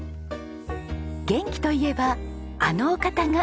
元気といえばあのお方が。